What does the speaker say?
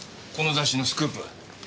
この雑誌のスクープ。